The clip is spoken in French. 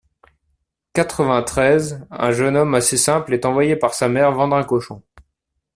quatre-vingt-treize), un jeune homme assez simple est envoyé par sa mère vendre un cochon.